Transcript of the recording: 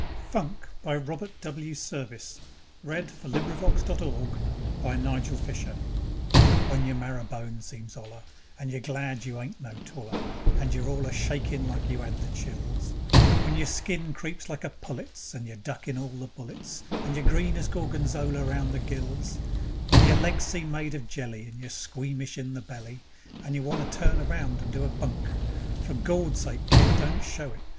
Can you wonder now I am gay? God bless her, that little Fleurette! Funk When your marrer bone seems 'oller, And you're glad you ain't no taller, And you're all a shakin' like you 'ad the chills; When your skin creeps like a pullet's, And you're duckin' all the bullets, And you're green as gorgonzola round the gills; When your legs seem made of jelly, And you're squeamish in the belly, And you want to turn about and do a bunk: For Gawd's sake, kid, don't show it!